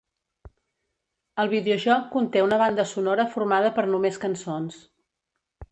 El videojoc conté una banda sonora formada per només cançons.